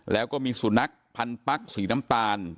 แล้วก็มีสุนัขพันปั๊กสีน้ำตาล